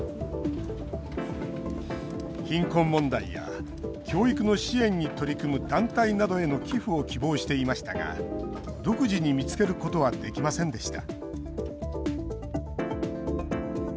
貧困問題や教育の支援に取り組む団体などへの寄付を希望していましたが独自に見つけることはできませんでした